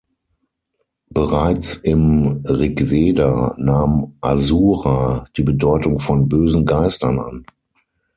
Bereits im Rigveda nahm "asura" die Bedeutung von „bösen Geistern“ an.